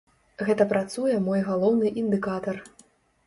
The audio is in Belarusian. Гэта працуе мой галоўны індыкатар.